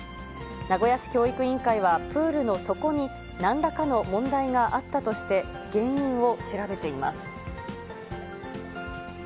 名古屋市教育委員会は、プールの底になんらかの問題があったとして、原因を調べています。